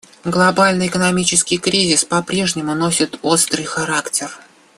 Глобальный экономический кризис попрежнему носит острый характер.